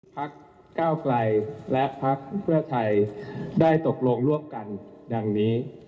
พักก้าวไกลและพักเพื่อไทยได้ตกลงร่วมกันดังนี้